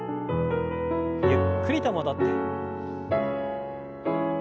ゆっくりと戻って。